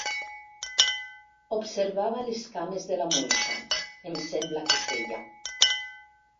«Observava les cames de la moixa» em sembla que feia.